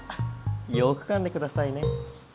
よくかんでくださいね。